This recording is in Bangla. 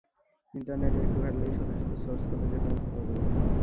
ইন্টারনেটে একটু ঘাটলেই শত শত সোর্স কোডের রেফারেন্স পাওয়া যাবে।